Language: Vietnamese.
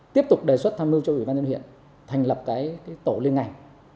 tiếp tục đề xuất tham mưu cho ủy ban nhân huyện thành lập tổ liên ngành